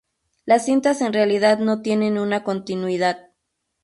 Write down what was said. Las cintas en realidad no tienen una continuidad.